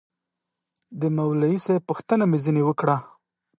د مولوي صاحب پوښتنه مې ځنې وكړه.